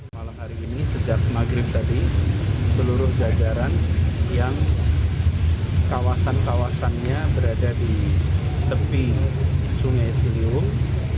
malam hari ini sejak maghrib tadi seluruh jajaran yang kawasan kawasannya berada di tepi sungai ciliwung